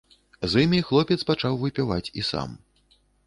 З імі хлопец пачаў выпіваць і сам.